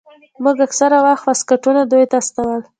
موږ اکثره وخت واسکټونه دوى ته استول.